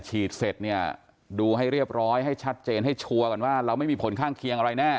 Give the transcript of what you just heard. ฉีดเสร็จเนี่ยดูให้เรียบร้อยให้ชัดเจนให้ชัวร์ก่อนว่าเราไม่มีผลข้างเคียงอะไรแน่